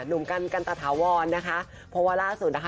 หนุ่มกันกันตะถาวรนะคะเพราะว่าล่าสุดนะคะ